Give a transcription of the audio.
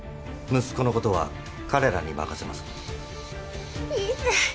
息子のことは彼らに任せます。